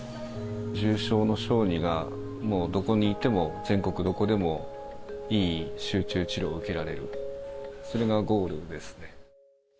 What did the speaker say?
重症の小児がもうどこにいても、全国どこでもいい集中治療を受けられる、それがゴールですね。